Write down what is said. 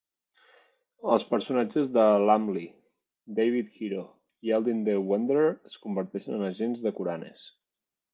Els personatges de Lumley, David Hero i Eldin the Wanderer, es converteixen en agents de Kuranes.